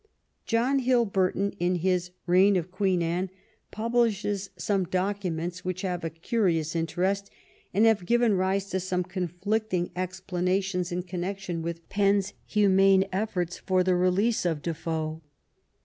John Hill Burton, in his Reign of Queen Anne, pub lishes some documents which have a curious interest, and have given rise to some conflicting explanations in connection with Penn's humane efforts for the re lease of Defoe.